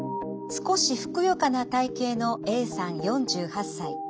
少しふくよかな体型のＡさん４８歳。